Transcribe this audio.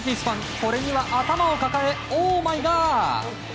これには頭を抱えオーマイガー！